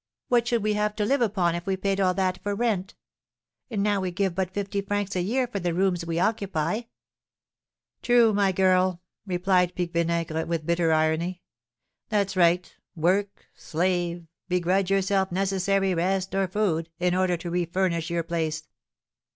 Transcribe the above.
What should we have to live upon if we paid all that for rent? And now we give but fifty francs a year for the rooms we occupy." "True, my girl," replied Pique Vinaigre, with bitter irony. "That's right, work, slave, begrudge yourself necessary rest or food, in order to refurnish your place.